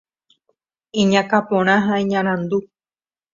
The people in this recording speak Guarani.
Iñakã porã ha iñarandu.